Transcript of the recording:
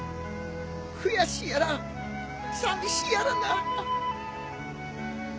悔しいやら寂しいやらな。